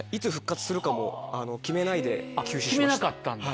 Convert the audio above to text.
決めなかったんだ。